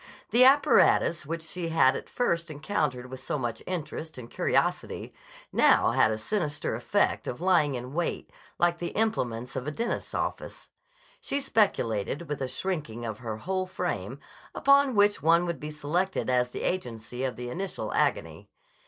The apparatus which she had at first encountered with so much interest and curiosity now had a sinister effect of lying in wait like the implements of a dentist's office. She speculated, with a shrinking of her whole frame, upon which one would be selected as the agency of the initial agony.